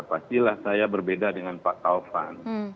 pastilah saya berbeda dengan pak taufan